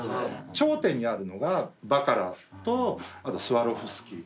頂点にあるのがバカラとあとスワロフスキー。